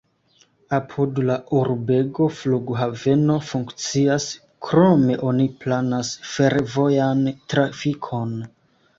Apud la urbego flughaveno funkcias, krome oni planas fervojan trafikon.